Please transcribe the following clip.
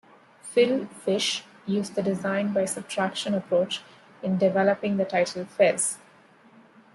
Phil Fish used the design by subtraction approach in developing the title "Fez".